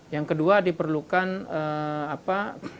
yang kedua diperlukan apa